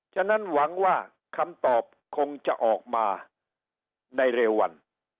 ฉะนั้นหวังว่าคำตอบคงจะออกมาในเร็ววัน